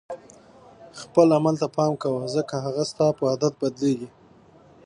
خپل عمل ته پام کوه ځکه هغه ستا په عادت بدلیږي.